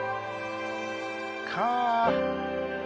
かあ！